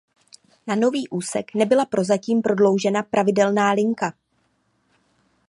Na nový úsek nebyla prozatím prodloužena pravidelná linka.